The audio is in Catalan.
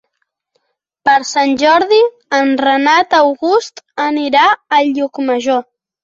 Per Sant Jordi en Renat August anirà a Llucmajor.